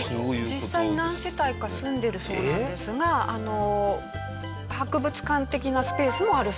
実際何世帯か住んでるそうなんですが博物館的なスペースもあるそうなんです。